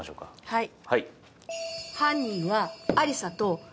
はい。